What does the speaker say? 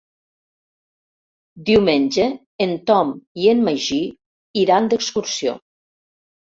Diumenge en Tom i en Magí iran d'excursió.